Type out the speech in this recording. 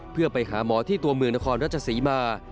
เพื่อไปหาหมอที่ตัวเมืองนครราชศรีมา